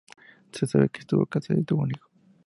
Se sabe que estuvo casado y tuvo un hijo.